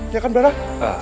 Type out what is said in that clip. ya kan barah